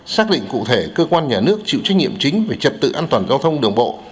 xác định cụ thể cơ quan nhà nước chịu trách nhiệm chính về trật tự an toàn giao thông đường bộ